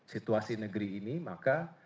situasi negeri ini maka